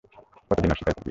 কতদিন অস্বীকার করবি?